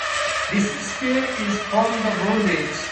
This spear is from the bronze age.